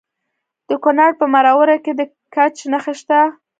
د کونړ په مروره کې د ګچ نښې شته.